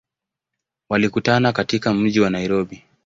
Walikutana katika mji wa Nairobi.